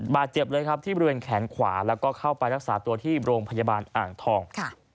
บาดเจ็บเลยครับที่บริเวณแขนขวาแล้วก็เข้าไปรักษาตัวที่โรงพยาบาลอ่างทอง